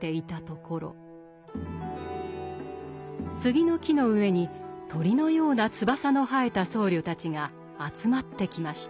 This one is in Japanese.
杉の木の上に鳥のような翼の生えた僧侶たちが集まってきました。